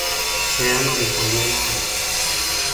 แล้วมันใช้ไม่ได้